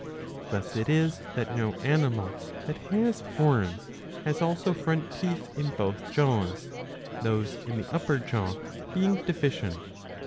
Thus it is that no animal that has horns has also front teeth in both jaws, those in the upper jaw being deficient.'